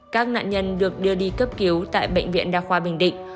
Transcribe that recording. các nạn nhân được đưa đi cấp cứu tại bệnh viện đa khoa bình định